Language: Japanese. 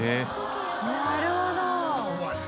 なるほど！